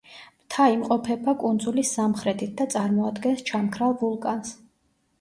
მთა იმყოფება კუნძულის სამხრეთით და წარმოადგენს ჩამქრალ ვულკანს.